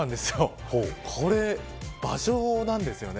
これ、場所なんですよね。